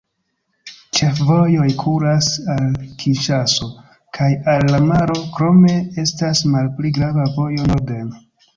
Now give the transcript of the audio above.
Ĉefvojoj kuras al Kinŝaso kaj al la maro, krome estas malpli grava vojo norden.